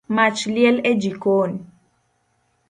Mach liel e jikon.